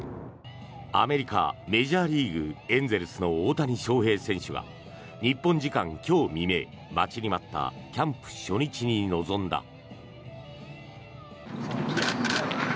アメリカ・メジャーリーグエンゼルスの大谷翔平選手は日本時間今日未明待ちに待ったキャンプ初日に臨んだ。